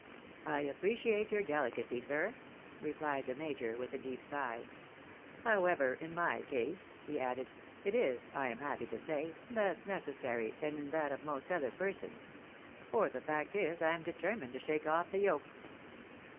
" I appreciate your delicacy, sir, " replied the major, with a deep sigh. " However, in my case," he added, " it is, I am happy to say, less necessary than in that of most other persons. For the fact is, I am determined to shake off the yoke."